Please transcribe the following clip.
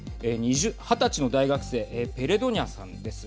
二十歳の大学生ペレドニャさんです。